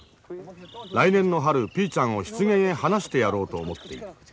来年の春ピーちゃんを湿原へ放してやろうと思っている。